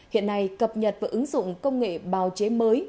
hiện nay cập nhật và ứng dụng công nghệ bào chế mới